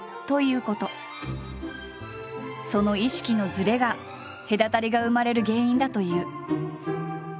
その意識のずれが隔たりが生まれる原因だという。